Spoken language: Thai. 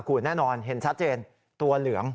คุณแน่นอนเห็นชัดเจนตัวเหลือง